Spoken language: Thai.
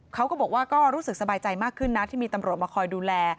เขาก็บอกว่าก็รู้สึกสบายใจมากขึ้นนะที่มีตำรวจมาคอยดูแล